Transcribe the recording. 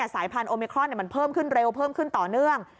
สายพันธุมิครอนมันเพิ่มขึ้นเร็วเพิ่มขึ้นต่อเนื่อง